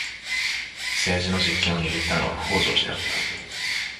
政治の実権を握ったのは北条氏であった。